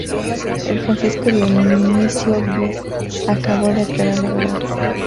El Francisco Dionisio Vives acabó de aclarar la verdad.